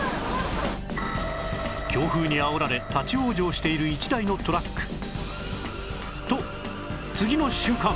強風にあおられ立ち往生している一台のトラックと次の瞬間！